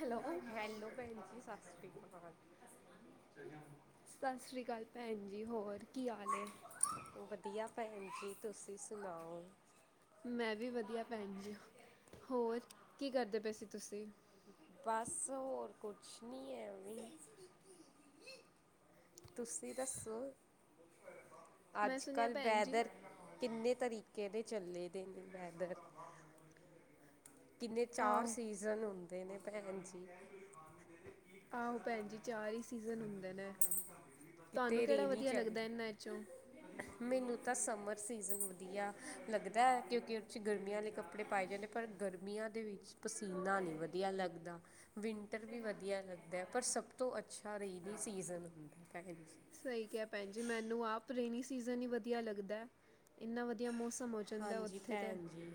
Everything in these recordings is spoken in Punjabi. ਹੈਲੋ ਹੈਲੋ ਭੈਣ ਜੀ, ਸਾ ਸ੍ਰੀ ਕਾਲ। ਸਾਤ ਸ੍ਰੀ ਕਾਲ ਭੈਣ ਜੀ, ਹੋਰ ਕੀ ਹਾਲ ਏ? ਵਧੀਆ ਭੈਣ ਜੀ, ਤੁਸੀਂ ਸੁਣਾਓ? ਮੈਂ ਵੀ ਵਧੀਆ ਭੈਣ ਜੀ, ਹੋਰ ਕੀ ਕਰਦੇ ਪਏ ਸੀ ਤੁਸੀਂ? ਬਸ ਹੋਰ ਕੁਛ ਨੀ ਐਵੀਂ ਤੁਸੀਂ ਦੱਸੋ, ਮੈਂ ਸੁਣਿਆ ਅੱਜ-ਕੱਲ ਭੈਣ ਜੀ ਵੈਦਰ ਕਿੰਨੇ ਤਰੀਕੇ ਦੇ ਚੱਲੇ ਦੇ ਨੇ ਵੈਦਰ। ਕਿੰਨੇ, ਚਾਰ ਆਹੋ ਸੀਜ਼ਨ ਹੁੰਦੇ ਨੇ ਭੈਣ ਜੀ। ਆਹੋ, ਭੈਣ ਜੀ ਚਾਰ ਹੀ, ਸੀਜ਼ਨ ਹੁੰਦੇ ਨੇ ਤੁਹਾਨੂੰ ਕਿਤੇ ਕਿਹੜਾ ਰੇਨੀ ਵਧੀਆ, ਲੱਗਦਾ ਚੱਲਦੀ ਇਹਨਾਂ ਚੋਂ ਮੈਨੂੰ ਤਾਂ, ਸਮਰ ਸੀਜ਼ਨ ਵਧੀਆ ਲੱਗਦਾ‌, ਕਿਉਂਕਿ ਉਰ 'ਚ ਗਰਮੀਆਂ ਵਾਲੇ, ਕੱਪੜੇ ਪਾਏ ਜਾਂਦੇ ਪਰ ਗਰਮੀਆਂ ਦੇ ਵਿੱਚ, ਪਸੀਨਾ ਨਈ ਵਧੀਆ ਲੱਗਦਾ। ਵਿੰਟਰ ਵੀ ਵਧੀਆ ਲੱਗਦਾ, ਪਰ ਸਭ ਤੋਂ ਅੱਛਾ, ਰੇਨੀ ਸੀਜ਼ਨ ਹੁੰਦਾ ਹੈਗਾ ਸਹੀ ਕਿਹਾ ਭੈਣ ਜੀ, ਮੈਨੂੰ ਆਪ ਰੇਨੀ ਸੀਜਨ, ਈ ਵਧੀਆ ਲੱਗਦਾ ਇੰਨਾ ਵਧੀਆ, ਮੌਸਮ ਹੋ ਜਾਂਦਾ ਹਾਂਜੀ ਉੱਥੇ ਤੇ ਭੈਣ ਜੀ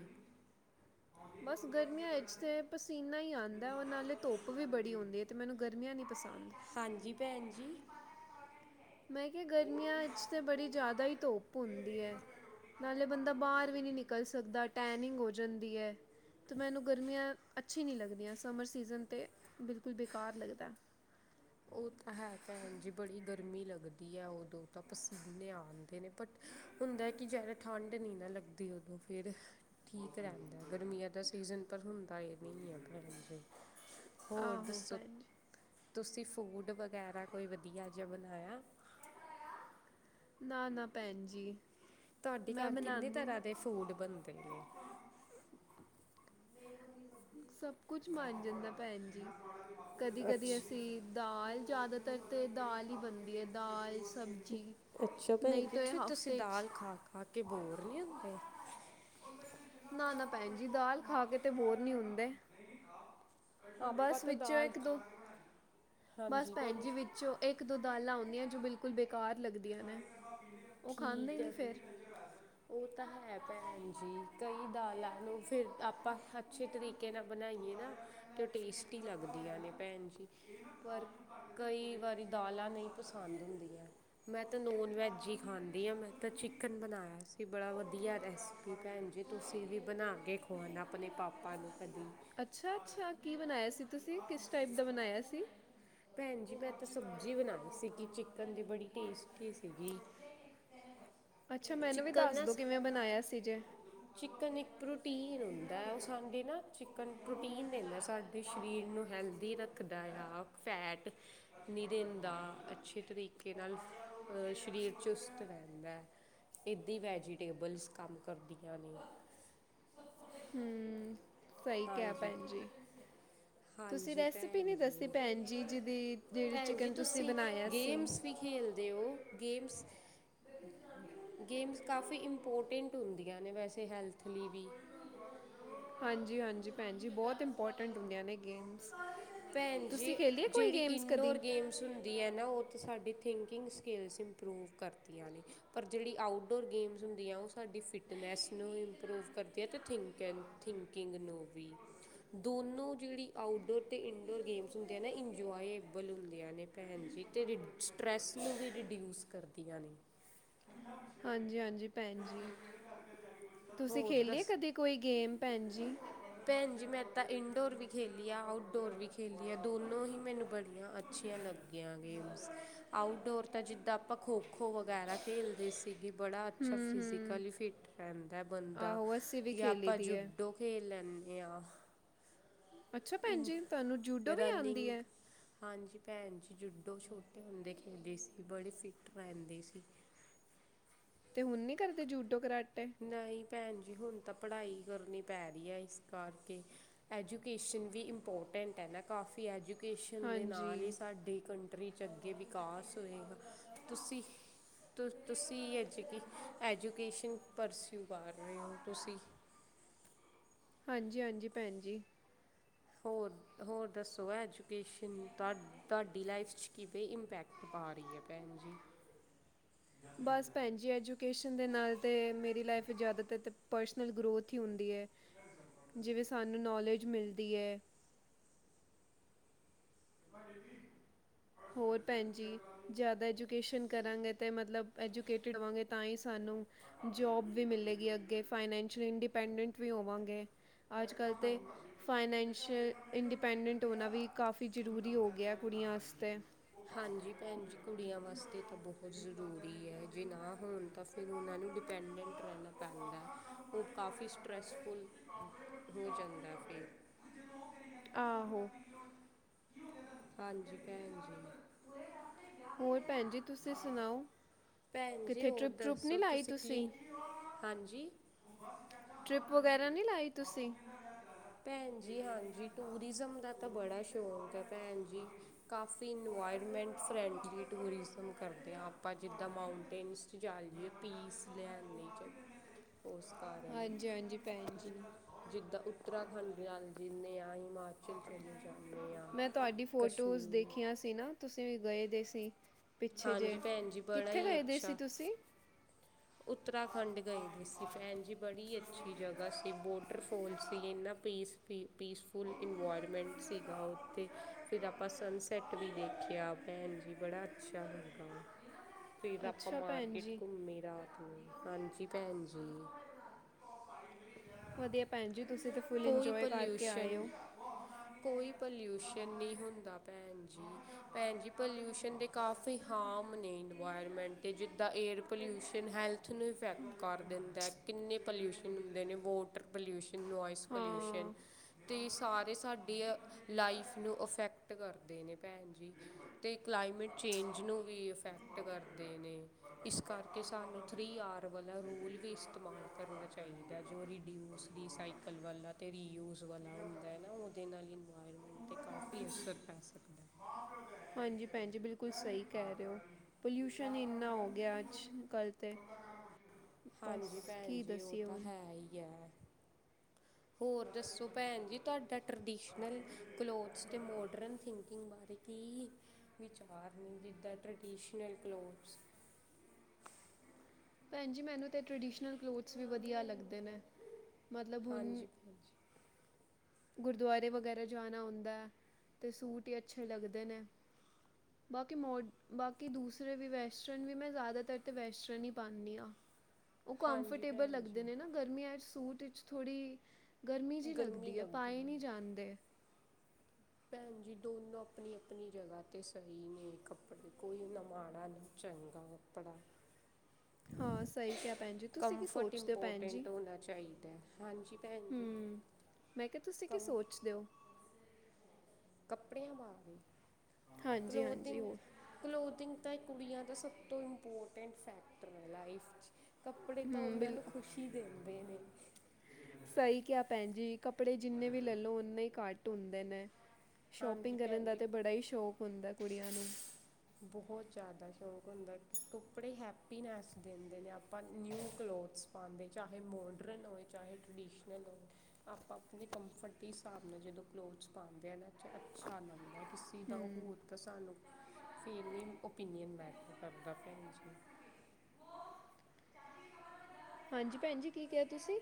ਬਸ ਗਰਮੀਆਂ ਵਿੱਚ ਤੇ, ਪਸੀਨਾ ਹੀ ਆਦਾ ਔ ਨਾਲੇ ਧੁੱਪ, ਵੀ ਬੜੀ ਹੁੰਦੀ ਹੈ ਤੇ ਮੈਨੂੰ, ਗਰਮੀਆਂ ਨਹੀਂ ਪਸੰਦ ਹਾਂਜੀ, ਭੈਣ ਜੀ। ਮੈਂ ਕਿਹਾ, ਗਰਮੀਆਂ ਵਿੱਚ ਤਾਂ ਬੜੀ ਜ਼ਿਆਦਾ ਈ, ਧੁੱਪ ਹੁੰਦੀ ਐ ਨਾਲੇ ਬੰਦਾ ਬਾਹਰ ਵੀ ਨਹੀਂ, ਨਿਕਲ ਸਕਦਾ, ਟੈਨਿੰਗ ਹੋ ਜਾਂਦੀ ਏ ਤੇ ਮੈਨੂੰ, ਗਰਮੀਆਂ ਅੱਛੀ ਨਹੀਂ ਲੱਗਦੀਆਂ, ਸਮਰ ਸੀਜ਼ਨ 'ਤੇ, ਬਿਲਕੁਲ ਬੇਕਾਰ ਲੱਗਦਾ ਉਹ ਤਾਂ ਹੈ ਭੈਣ ਜੀ, ਬੜੀ ਗਰਮੀ ਲੱਗਦੀ ਹੈ ਉਦੋਂ ਤਾਂ, ਪਸੀਨੇ ਆਉਂਦੇ ਨੇ ਬਟ ਹੁੰਦਾ ਕਿ, ਜਿਆਦਾ ਠੰਢ ਨਈ ਨਾ, ਲੱਗਦੀ ਉਦੋਂ ਫੇਰ ਠੀਕ ਰਹਿੰਦਾ, ਗਰਮੀਆਂ ਦਾ ਸੀਜ਼ਨ, ਪਰ ਹੁੰਦਾ ਇਹ ਨਹੀਂ ਹੈ ਭੈਣਜੀ। ਹੋਰ ਆਹੋ ਦੱਸੋ, ਭੈਣ ਜੀ ਤੁਸੀਂ ਫੂਡ ਵਗੈਰਾ, ਕੋਈ ਵਧੀਆ ਜਿਹਾ ਬਣਾਇਆ? ਨਾ -ਨਾ ਭੈਣ ਜੀ। ਤੁਹਾਡੇ ਮੈਂ ਘਰ, ਕਿੰਨੇ ਬਣਾਉਂਦੀ ਤਰ੍ਹਾਂ ਦੇ ਨਹੀਂ ਫੂਡ ਬਣਦੇ ਨੇ? ਸਭ ਕੁਛ ਬਣ ਜਾਂਦਾ ਭੈਣ ਜੀ। ਕਦੀ-ਕਦੀ ਅੱਛਾ ਅਸੀਂ ਦਾਲ ਜ਼ਿਆਦਾ ਤਰ ਤਾਂ, ਦਾਲ ਹੀ ਬਣਦੀ ਏ ਦਾਲ ਸਬਜ਼ੀ ਅੱਛਾ ਭੈਣ ਨਹੀਂ ਜੀ, ਤਾਂ ਇਹ ਫਿਰ ਤੁਸੀਂ ਹਫਤੇ 'ਚ ਦਾਲ ਖਾ-ਖਾ ਕੇ ਬੋਰ ਨਈ ਹੁੰਦੇ? ਨਾ- ਨਾ ਭੈਣ ਜੀ। ਦਾਲ ਖਾ ਕੇ ਤੇ ਬੋਰ ਨੀ ਹੁੰਦੇ। ਆਪਾਂ ਬਸ, ਤਾਂ ਵਿੱਚੋਂ ਦਾਲ ਇੱਕ- ਦੋ ਖਾ ਬਸ ਹਾਂਜੀ ਭੈਣ ਜ ਜੀ ਵਿੱਚ ਚੋ ਇੱਕ- ਦੋ ਦਾਲਾਂ ਹੁਨੀਂਆ, ਜੋ ਬਿਲਕੁਲ ਬੇਕਾਰ ਲੱਗਦੀਆਂ ਨੇ, ਉਹ ਖਾਂਦੇ ਠੀਕ ਨਈ ਹੈ ਫਿਰ [unintelligible] [inaudible] ਉਹ ਤਾਂ ਹੈ ਭੈਣ ਜੀ, ਕਈ ਦਾਲਾਂ ਨੂੰ ਫਿਰ ਆਪਾਂ ਅੱਛੇ ਤਰੀਕੇ, ਨਾਲ ਬਣਾਈਏ ਨਾ ਤੇ ਟੇਸਟੀ ਲੱਗਦੀਆਂ ਨੇ, ਭੈਣ ਜੀ, ਪਰ ਕਈ ਵਾਰੀ, ਦਾਲਾਂ ਨਹੀਂ ਪਸੰਦ ਹੁੰਦੀਆਂ ਮੈਂ ਤਾਂ, ਨੋਨ -ਵੈੱਜ ਹੀ ਖਾਂਦੀ ਹਾਂ। ਮੈਂ ਤਾਂ ਚਿਕਨ ਬਣਾਇਆ ਸੀ, ਬੜਾ ਵਧੀਆ ਰੈਸ ਤੇ ਭੈਣ ਜੀ, ਤੁਸੀਂ ਵੀ ਬਣਾ ਕੇ ਖਵਾਣਾ ਆਪਣੇ ਪਾਪਾ ਨੂੰ ਕਦੀ ਅੱਛਾ -ਅੱਛਾ, ਕੀ ਬਣਾਇਆ ਸੀ ਤੁਸੀਂ, ਕਿਸ ਟਾਈਪ ਦਾ ਬਣਾਇਆ ਸੀ? ਭੈਣ ਜੀ, ਮੈਂ ਤਾਂ ਸਬਜ਼ੀ ਬਣਾਈ ਸੀਗੀ ਚਿਕਨ ਦੀ, ਬੜੀ ਟੇਸਟੀ ਸੀਗੀ ਅੱਛਾ, ਮੈਨੂੰ ਵੀ ਚਿਕਨ ਦੱਸ ਦੋ ਨਾ ਕਿਵੇਂ ਬਣਾਇਆ ਸੀ ਜੇ? ਚਿਕਨ, ਇੱਕ ਪ੍ਰੋਟੀਨ ਹੁੰਦਾ, ਉਹ ਸਾਡੇ ਨਾ ਪ੍ਰੋਟੀਨ ਦਿੰਦਾ, ਸਾਡੇ ਸਰੀਰ ਨੂੰ ਹੈਲਦੀ ਰੱਖਦਾ ਆ, ਫੈਟ ਨਈ ਦਿੰਦਾ, ਅੱਛੇ ਤਰੀਕੇ ਨਾਲ, ਸਰੀਰ ਚੁਸਤ ਰਹਿੰਦਾ ਹੈ ਇੱਦਾ ਵੈਜੀਟੇਬਲਸ, ਕੰਮ ਕਰਦੀਆਂ ਨੇ ਹਮ, ਸਹੀ ਕਿਹਾ, ਹਾਂਜੀ ਭੈਣ ਜੀ। ਤੁਸੀਂ, ਹਾਂਜੀ ਰੈਸਪੀ ਭੈਣ ਨਈ ਦੱਸੀ ਜੀ ਭੈਣ ਜੀ‌, ਜਿਦੀ ਜਿਹੜੀ ਚਿਕਨ ਤੁਸੀਂ ਬਣਾਇਆ ਸੀ। ਕੀ ਖੇਲਦੇ ਓ, ਗੇਮਸ ਗੇਮਸ, ਕਾਫ਼ੀ ਇੰਪੋਰਟੈਂਟ ਹੁੰਦੀਆਂ ਨੇ ਵੈਸੇ, ਹੈਲਥ ਲਈ ਵੀ ਹਾਂਜੀ -ਹਾਂਜੀ ਭੈਣ ਜੀ, ਬਹੁਤ ਇੰਪੋਰਟੈਂਟ ਹੁੰਦੀਆਂ, ਨੇ ਗੇਮ‌ ਭੈਣ ਜੀ, ਜਿਹੜੀ ਗੇਮਸ ਇੰਡੋ ਕਦੀ ਗੇਮਸ ਸੁਣਦੀ ਹੈ ਨਾ, ਉਹ ਤਾਂ ਸਾਡਡੀ ਥਿੰਕਿੰਗ ਸਕਿੱਲਸ ਇੰਪਰੂਵ ਕਰਦੀਆਂ ਨੇ। ਪਰ ਜਿਹੜੀ ਆਊਟਡੋਰ ਗੇਮਸ ਹੁੰਦੀਆਂ ਉਹ ਸਾਡੀ ਫਿਟਨੈਸ ਨੂੰ ਇੰਪਰੂਵ ਕਰਦੀ ਆ ਅਤੇ ਥਿੰਕ। ਥਿੰਕਿੰਗ ਨੂੰ ਵੀ ਦੋਨੋਂ ਜਿਹੜੀ ਆਊਟਡੋਰ ਤੇ ਇਨਡੋਰ ਗੇਮਸ ਹੁੰਦੀਆਂ ਨਾ ਇੰਜੋਏਬਲ ਹੁੰਦੀਆਂ ਨੇ ਭੈਣ ਜੀ, ਤੇ ਰਿਟਸ ਸਟਰੈੱਸ ਨੂੰ ਵੀ ਰਿਡਿਊਸ ਕਰਦੀਆਂ ਨੇ। ਹਾਂਜੀ-ਹਾਂਜੀ, ਭੈਣ ਜੀ ਤੁਸੀਂ ਹੋਰ ਖੇਲੇਿਆ ਦੱਸ ਕਦੇ ਕੋਈ ਗੇਮ ਭੈਣ ਜੀ? ਭੈਣ ਜੀ ਮੈਂ ਤਾਂ ਇੰਡੋਰ ਵੀ ਖੇਲੀ ਆ ਆਊਟਡੋਰ ਵੀ ਖੇਲੀ ਆ ਦੋਨੋਂ ਹੀ ਮੈਨੂੰ ਬੜੀਆਂ ਅੱਛੀਆਂ ਲੱਗ ਦੀਆਂ ਗੇਮਸ। ਆਊਟਡੋਰ ਤਾਂ ਜਿੱਦਾਂ ਆਪਾਂ ਖੋ-ਖੋ ਵਗੈਰਾ ਖੇਡਦੇ ਸੀਗੇ, ਬੜਾ ਅੱਛਾ ਹੂੰ ਹੂੰ ਫਿਜ਼ੀਕਲੀ ਫਿਟ ਰਹਿੰਦਾ ਬੰਦਾ ਆਹੋ ਅਸੀਂ ਵੀ ਜਾਂ ਖੇਲੀ ਆਪਾਂ ਦੀ ਹੈ ਜੂਡੋ ਖੇਲ ਲੈਂਨੇ ਆ। ਅੱਛਾ ਭੈਣ ਇਨ ਜੀ, ਤੁਹਾਨੂੰ ਜੂਡੋ ਵੀ ਆਉਂਦੀ ਰਨਿੰਗ ਹੈ? ਹਾਂਜੀ ਭੈਣ ਜੀ, ਜੁੱਡੋ ਛੋਟੇ ਹੁੰਦੇ ਖੇਡਦੇ ਸੀ, ਬੜੇ ਫਿੱਟ ਰਹਿੰਦੇ ਸੀ। ਤੇ ਹੁਣ ਨੀ ਕਰਦੇ ਜੂਡੋ ਕਰਾਟੇ। ਨਹੀਂ ਭੈਣ ਜੀ, ਹੁਣ ਤਾਂ ਪੜ੍ਹਾਈ ਕਰਨੀ ਪੈ ਰਹੀ ਹੈ, ਇਸ ਕਰਕੇ। ਐਜੂਕੇਸ਼ਨ ਵੀ ਇੰਪੋਰਟੈਂਟ ਹੈ ਨਾ, ਕਾਫੀ ਐਜੂਕੇਸ਼ਨ ਦੇ ਨਾਲ ਹੀ ਹਾਂਜੀ ਸਾਡੇ ਕੰਟ ਚੰਗੇ ਅੰਗੇ ਵਿਕਾਸ ਹੋਏ ਤੁਸੀਂ। ਤੁਸੀਂ ਐਜੂਕੇ ਐਜੂਕੇਸ਼ਨ ਪਰਸਿਊ ਪਾ ਰਹੇ ਹੋ ਤੁਸੀਂ। ਹਾਂਜੀ-ਹਾਂਜੀ ਭੈਣ ਜੀ। ਹੋਰ-ਹੋਰ ਦੱਸੋ ਹੈ ਐਜੂਕੇਸ਼ਨ ਬਾਰੇ। ਤੁਹਾਡੀ ਲਾਈਫ 'ਚ ਕਿਵੇਂ ਇੰਪੈਕਟ ਪਾ ਰਹੀ ਹੈ ਭੈਣ ਜੀ। ਬਸ ਭੈਣ ਜੀ, ਐਜੂਕੇਸ਼ਨ ਦੇ ਨਾਲ ਤਾਂ ਮੇਰੀ ਲਾਈਫ ਜ਼ਿਆਦਾਤਰ ਤਾਂ ਪਰਸਨਲ ਗਰੋਥ ਹੀ ਹੁੰਦੀ ਹੈ। ਜਿਵੇਂ, ਸਾਨੂੰ ਨੌਲੇਜ ਮਿਲਦੀ ਹੈ। ਹ [inaudible] ਹੋਰ, ਭੈਣ ਜੀ। ਜ਼ਿਆਦਾ ਐਜੂਕੇਸ਼ਨ ਕਰਾਂਗੇ ਤੇ ਮਤਲਬ ਐਜੂਕੇਟਿਡ ਹੋਵਾਂਗੇ, ਤਾਂ ਹੀ ਸਾਨੂੰ ਜੋਬ ਵੀ ਮਿਲੇਗੀ, ਅੱਗੇ ਫਾਈਨੈਂਸ਼ੀਅਲੀ ਇੰਡੀਪੈਂਡੈਂਟ ਵੀ ਹੋਵਾਂਗੇ। ਅੱਜ-ਕੱਲ੍ਹ ਹਾਂ 'ਤੇ ਫਾਈਨੈਂਸ਼ੀਅਲ ਇੰਡੀਪੈਂਡੈਂਟ ਹੋਣਾ ਵੀ ਕਾਫੀ ਜ਼ਰੂਰੀ ਹੋ ਗਿਆ, ਕੁੜੀਆਂ ਆਸਤੇ। ਹਾਂਜੀ, ਭੈਣ ਜੀ, ਕੁੜੀਆਂ ਵਾਸਤੇ ਤਾਂ ਬਹੁਤ ਜ਼ਰੂਰੀ ਹੈ, ਜੇ ਨਾ ਹੋਣ ਤਾਂ ਫ ਫਿਰ, ਉਹਨਾਂ ਨੂੰ ਡਿਪੈਂਡੈਂਟ ਰਹਿਣਾ। ਪੈਂਦਾ, ਉਹ ਕਾਫੀ ਸਟਰੈਸਫੁਲ ਹੋ ਜਾਂਦਾ, ਫਿਰ ਆਹੋ। ਹਾਂਜੀ, ਭੈਣ ਜੀ। ਹੋਰ, ਭੈਣ ਜੀ, ਤੁਸੀਂ ਸੁਣਾਓ, ਭੈਣ ਜੀ ਕਿੱਥੇ ਹੋਰ ਟਰਿਪ-ਟਰੁਪ ਨੀ ਦੱਸੋ ਲਾਈ ਤੁਸੀਂ? ਕਲੀ ਹਾਂਜੀ। ਟ੍ਰਿਪ ਵਗੈਰਾ ਨੀ ਲਾਈ ਤੁਸੀਂ? ਭੈਣ ਜੀ, ਹਾਂਜੀ ਟੂਰਿਜ਼ਮ ਦਾ ਤਾਂ ਬੜਾ ਸ਼ੌਕ ਹੈ, ਭੈਣ ਜੀ। ਕਾਫੀ ਇਨਵਾਇਰਮੈਂਟ ਫਰੈਂਡਲੀ ਟੂਰਿਜ਼ਮ ਕਰਦੇ ਹਾਂ, ਆਪਾਂ ਜਿੱਦਾਂ ਮਾਊਂਟੇਨਸ ਜਾਇਏ ਪੀਸ ਲੈਈ ਚ ਉਸ ਕਾਰਨ। ਹਾਂਜੀ ਹਾਂਜੀ ਭੈਣ ਜੀ ਜਿੱਦਾਂ, ਉੱਤਰਾਖੰਡਆਲੇ ਜਿੰਨੇ ਆ ਹਿਮਾਚ ਚਲੇ ਜਾਣੇ ਆਂ, ਮੈਂ ਤੁਹਾਡੀ ਫੋਟੋਜ਼ ਕਸ਼ਮੀਰ ਦੇਖੀਆਂ ਸੀ ਨਾ ਤੁਸੀਂ ਵੀ ਗਏ ਦੇ ਸੀ, ਪਿੱਛੇ ਹਾਂਜੀ ਜਿਹੇ ਭੈਣ ਜੀ ਬੜਾ ਕਿੱਥੇ ਹੀ ਗਏ ਦੇ ਸੀ ਅੱਛਾ ਤੁਸੀਂ? ਉੱਤਰਾਖੰਡ ਗਏ ਦੇ ਸੀ, ਭੈਣ ਜੀ। ਬੜੀ ਅੱਛੀ ਜਗ੍ਹਾ ਸੀ, ਵੋਟਰਫੋਲ ਸੀ, ਇੰਨਾ ਪੀਸ ਪੀ, ਪੀਸ ਫੁੱਲ ਇਨਵਾਇਰਮੈਂਟ ਸੀਗਾ ਉੱਥੇ, ਫਿਰ ਆਪਾਂ ਸਨਸੈੱਟ ਵੀ ਦੇਖਿਆ, ਭੈਣ ਜੀ, ਬੜਾ ਅੱ [unintelligible] ਫਿਰ ਆਪਾਂ ਅੱਛਾ ਭੈਣ ਮਾਰਕੀਟ ਜੀ ਘੁੰਮੀ ਰਾਤ ਹਾਂਜੀ, ਭੈਣ ਜੀ। ਵਧੀਆ ਭੈਣ ਜੀ ਤੁਸੀਂ ਤੇ ਕੋਈ ਪੋਲਿਊਸ਼ਨ ਕੋਈ ਪਲਿਊਸ਼ਨ ਨੀ ਹੁੰਦਾ ਭੈਣ ਜੀ, ਭੈਣ ਜੀ। ਪੋਲਿਊਸ਼ਨ ਦੇ ਕਾਫੀ ਹਾਰਮ ਨੇ ਇਨਵਾਇਰਮੈਂਟ ਤੇ ਜਿੱਦਾਂ ਏਅਰ ਪੋਲਿਊਸ਼ਨ ਹੈਲ ਹੈਲਥ ਨੂੰ ਇਫੈਕਟ ਕਰ ਦਿੰਦਾ ਕਿੰਨੇ ਪੋਲਿਊਸ਼ਨ ਹੁੰਦੇ ਨੇ ਵੋਟਰ ਪੋਲਿਊਸ਼ਨ, ਨੋਇਸ ਪੋਲਿਊਸ਼ਨ ਹਾਂ ਤੇ ਸਾਰੇ ਸਾਡੀ ਅ ਲਾਈਫ ਨੂੰ ਅਫੈਕਟ ਕਰਦੇ ਨੇ। ਭੈਣ ਜੀ। ਤੇ ਕਲਾਈਮੇਟ ਚੇਂਜ ਨੂੰ ਵੀ ਇਫੈਕਟ ਕਰਦੇ ਨੇ ਇਸ ਕਰਕੇ ਸਾਨੂੰ ਥ੍ਰੀ ਆਰ ਵਾਲਾ ਰੁਲ ਵੀ ਇਸਤੇਮਾਲ ਕਰਨਾ ਚਾਹੀਦਾ ਜੋ ਰੀਡੀਓਸ ਦੀ ਸਾਈਕਲ ਰੀ ਯੂਊਜ਼ ਵਾਲਾ। ਹੁੰਦਾ ਏ ਨਾ ਉਦੇ ਨਾਲ ਇਨਵਾਇਰਮੈਂਟ ਤੇ ਕਾਫੀ ਅਸਰ ਪੈ ਸਕਦਾ ਹੈ। ਹਾਂਜੀ, ਭੈਣ ਜੀ ਬਿਲਕੁਲ ਸਈ ਕਹਿ ਰਹੇ ਹੋ ਪੋਲਿਊਸ਼ਨ ਹੀ ਇੰਨਾ ਹੋ ਗਿਆ ਅੱਜ-ਕੱਲ ਤੇ। ਬਸ ਹਾਂਜੀ, ਭੈਣ ਕੀ ਜੀ ਓ ਦੱਸੀਏ ਤਾਂ ਹੁਣ ਹੈ ਹੀ ਹੈ। ਹੋਰ ਦੱਸੋ ਭੈਣ ਜੀ ਤੁਹਾਡਾ ਟਰਡੀਸ਼ਨਲ ਕਲੋਥਸ ਤੇ ਮੋਡਰਨ ਥਿੰਕ ਕਿੰਗ ਬਾਰੇ ਕਿ ਵਿਚਾਰ ਨੇ ਜਿੱਦਾਂ ਟਰਡੀਸ਼ਨਲ ਕਲੋਥਸ। ਭੈਣ ਜੀ, ਮੈਨੂੰ ਤੇ ਟਰਡੀਸ਼ਨਲ ਕਲੋਥਸ ਵੀ ਵਧੀਆ ਲੱਗਦੇ ਨੇ ਮਤਲਬ ਹੁਨ ਹਾਂਜੀ ਭੈਣ ਜੀ ਗੁਰਦੁਆਰੇ ਵਗੈਰਾ ਜਾਨਾ ਹੁੰਦਾ ਤੇ ਸੂਟ ਹੀ ਅੱਛੇ ਲੱਗਦੇ ਨੇ। [inaudible] ਬਾਕੀ ਮੋਡ, ਬਾਕੀ ਦੂਸਰੇ ਵੀ ਵੈਸਟਰਨ ਵੀ ਮੈਂ ਜਾਦਾਤਰ ਤੇ ਵੈਸਟਰਨ ਹੀ ਪਾਨੀ ਆ। [inaudible] ਉਹ ਕੰਫਰਟੇਬਲ ਭੈਣ ਲੱਗਦੇ ਜੀ ਨੇ ਨਾ। ਗਰਮੀਆਂ ਚ ਸੂਟ ਇਚ ਥੋੜ੍ਹੀ ਗਰਮੀ ਜੀ ਗਰਮੀ ਲੱਗਦੀ ਏ ਪਾਏ ਹੈ ਨੀ ਜਾਂਦੇ। ਭੈਣ ਜੀ ਦੋਨੋਂ ਅਪਣੀ-ਅਪਣੀ ਜਗ੍ਹਾ ਤੇ ਸਈ ਨੇ ਕੱਪੜੇ ਕੋਈ ਨਾ ਮਾੜਾ ਨਾ ਚੰਗਾ। ਕਪੜਾ। ਹਾਂ ਸਹੀ ਕਿਹਾ ਭੈਣ ਜੀ ਤੁਸੀਂ ਕੀ ਕੰਫਰਟ ਸੋਚਦੇ ਹੋ ਭੈਣ ਜੀ ਇੰਪੋਰਟੈਂਟ ਹੋਨਾ ਚਾਈਦਾ ਹਾਂਜੀ ਭੈਣ ਜੀ। ਹੂੰ ਮੈਂ ਕਿਆ ਤੁਸੀਂ ਕੀ ਕੰ ਸੋਚਦੇ ਓ? ਕੱਪੜਿਆਂ ਮਾਰਵੇ ਹਾਂਜੀ ਹਾਂਜੀ ਕਲੋਦਿੰਗ। ਹੋ ਕਲੋਦਿੰਗ ਤਾਂ ਕੁੜੀਆਂ ਦਾ ਸਭ ਤੋਂ ਇੰਪੋਰਟੈਂਟ ਫੈਕਟਰ ਐ ਲਾਈਫ ਚ। ਕੱਪੜੇ ਤਾਂ ਹੂੰ ਉਹਨਾਂ ਬਿਲ ਨੂੰ ਖ਼ੁਸ਼ੀ ਦਿੰਦੇ ਨੇ। ਸਈ ਕਿਆ। ਭੈਣਜੀ ਕੱਪੜੇ ਜਿੰਨੇ ਵੀ ਲੈਲੋ ਓਨੇ ਹੀ ਘੱਟ ਹੁੰਦੇ ਨੇ। ਹਾਂਜੀ ਸ਼ੋਪਿੰਗ ਕਰਨ ਭੈਣ ਦਾ ਜੀ ਤਾ ਬੜਾ ਹੀ ਸ਼ੌਕ ਹੁੰਦਾ ਕੁੜੀਆਂ ਨੂੰ। ਬੋਹਤ ਜਾਦਾ ਸ਼ੌਂਕ ਹੁੰਦਾ ਕੱਪੜੇ ਹੈਪੀਨੈਸ ਦਿੰਦੇ ਨੇ ਆਪਾਂ ਨਿਊ ਕਲੋਥਸ। ਪਾਦੇ ਚਾਹੇ ਮੋਡਰਨ ਹੋਏ ਚਾਹੇ ਟਰਡਡੀਸ਼ਨਲ ਹੋ। ਆਪਾ ਅਪਨੇ ਕੰਫਰਟ ਦੇ ਹਿਸਾਬ ਨਾਲ ਜਦੋਂ ਕਲੋਥਸ ਪਾਦੇ ਆ ਨਾ ਅੱਛਾ ਲੱਗਦਾ। ਦਾ ਹੂੰ ਹੋਰ ਤਾਂ ਸਾਨੂੰ ਫੀਲ ਨੀ ਓਪੀਨੀਅਨ ਬੈਟਰ ਕਰਦਾ ਭੈਣ ਜੀ। ਹਾਂਜੀ ਭੈਣ ਜੀ ਕੀ ਕਿਆ ਤੁਸੀ?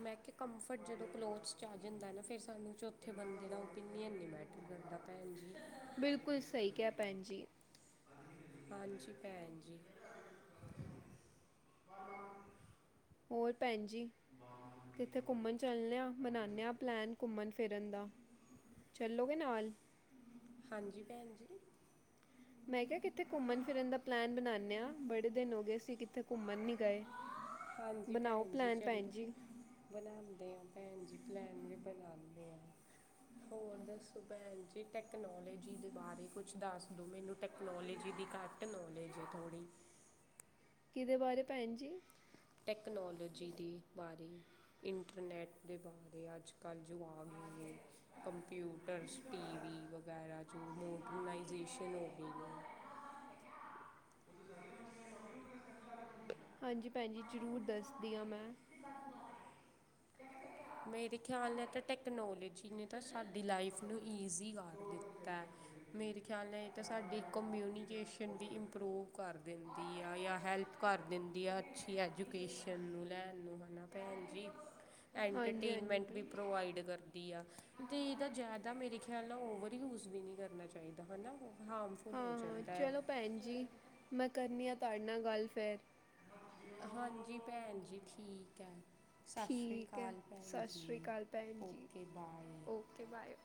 ਮੈਂ ਕਿਆ ਕੰਫਰਟ ਜਦੋਂ ਕਲੋਥਸ ਚ ਆ ਜਾਂਦਾ ਨਾ ਫੇਰ ਸਾਨੂੰ ਚੌਥੇ ਬੰਦੇ ਦਾ ਓਪੀਨੀਅਨ ਨੀ ਮੈਟਰ ਕਰਦਾ ਭੈਣ ਜੀ। ਬਿਲਕੁਲ ਸਈ ਕਿਆ ਭੈਣ ਜੀ। ਹਾਂਜੀ ਭੈਣ ਜੀ। ਹੋਰ ਭੈਣ ਜੀ। ਕਿੱਥੇ ਘੁੰਮਨ ਚਲਨੇ ਆ ਮਨਾਨੇ ਆ ਪਲੈਨ ਘੁੰਮਨ-ਫਿਰਨ ਦਾ। ਚੱਲੋਗੇ ਨਾਲ। ਹਾਂਜੀ ਭੈਣ ਜੀ। ਮੈਂ ਕੇਆ ਕਿਤੇ ਘੁੰਮਣ-ਫਿਰਨ ਦਾ ਪਲੈਨ ਬਣਾਂਨੇ ਆ, ਬੜੇ ਦਿਨ ਹੋ ਗਈ ਅਸੀਂ ਕਿਤੇ ਘੁੰਮਣ ਨਈ ਗਏ। ਹਾਂਜੀ ਬਣਾਓ ਭੈਣ ਜੀ ਪਲੈਨ ਭੈਣ ਚਲੋ। ਜੀ ਬਣਾਉਂਨੇ ਹਾਂ ਭੈਣ ਜੀ ਪਲੈਣ ਵੀ ਬਣਾਓਣੇ ਹਾਂ। ਹੋਰ ਦੱਸੋ ਭੈਣ ਜੀ, ਟੈਕਨੋਲੋਜੀ ਦੇ ਬਾਰੇ ਕੁਛ ਦੱਸ ਦੋ ਮੈਨੂੰ। ਟੈਕਨੋਲੋਜੀ ਦੀ ਘੱਟ ਨੌਲੇਜ ਏ ਥੋੜ੍ਹੀ। ਏਦੇ ਬਾਰੇ ਭੈਣ ਜੀ? ਟੈਕਨੋਲੋਜੀ ਦੇ ਬਾਰੇ ਇੰਟਰਨੈੱਟ ਦੇ ਬਾਰੇ ਅੱਜ। ਕਾਨਜੂ ਆ ਗਏ ਨੇ। ਕੰਪਿਊਟਰਸ, ਟੀਵੀ ਵਗੈਰਾ ਜੋ ਮੋਡਰਨਾਈਜੇਸ਼ਨ ਹੋ ਗਏ ਨੇ। [unintelligible] ਹਾਂਜੀ ਪੈਂਜੀ ਜ਼ਰੂਰ ਦੱਸਦੀ ਆ ਮੈਂ। ਮੇਰੇ ਖੇਆਲ ਨਾਲ ਤਾਂ ਟੈਕਨੋਲੋਜੀ ਨੇ ਤਾਂ ਸਾਡੀ ਲਾਈਫ ਨੂੰ ਈਜ਼ੀ ਕਰ ਦਿੱਤਾ। ਮੇਰੇ ਖੇਆਲ ਨਾਲ ਏ ਤਾਂ ਸਾਡੀ ਕਮਿਊਨੀਕੇਸ਼ਨ ਵੀ ਇਮਪ੍ਰੋਵ ਕਰ ਦਿੰਦੀ ਆ ਜਾਂ ਹੈਲਪ ਕਰ ਦਿੰਦੀ ਆ ਅੱਛੀ ਐਜੂਕੇਸ਼ਨ ਨੂੰ ਲੈਣ ਨੂੰ ਹੈ ਨਾ ਭੈਣ ਜੀ। ਹਾਂਜੀ ਹਾਂਜੀ ਐਂਟਰਟੇਨਮੈਂਟ ਭੈਣ ਵੀ ਜੀ ਪ੍ਰੋਵਾਈਡ ਕਰਦੀ। ਕਰਦੀ ਆ, ਤੇ ਏਦਾ ਜ਼ਾਦਾ ਮੇਰੇ ਖਿਆਲ ਨਾਲ ਓਵਰ ਯੂਜ ਵੀ ਨਈ ਕਰਨਾ ਚਾਈਦਾ ਹਨਾ, ਹਾ ਹਾਂ, ਹਾਂ ਚਲੋ ਭੈਣ ਜੀ ਮੈਂ ਕਰਨੀ ਆ ਤੁਹਾਡੇ ਨਾਲ ਗੱਲ ਫੇਰ। ਹਾਂਜੀ ਭੈਂਜੀ ਠੀਕ ਐ। ਸਤਿ ਸ਼੍ਰੀ ਠੀਕ ਹੈ ਅਕਾਲ ਸਤਿ ਸ਼੍ਰੀ ਪੈਂਜੀ ਅਕਾਲ ਭੈਣ ਜੀ ਓਕੇ ਬਾਏ। Okay bye.